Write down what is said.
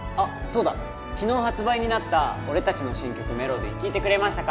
そうだ昨日発売になった俺達の新曲「Ｍｅｌｏｄｙ」聴いてくれましたか？